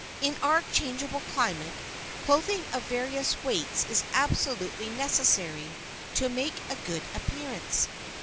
In our changeable climate, clothing of various weights is absolutely necessary to make a good appearance.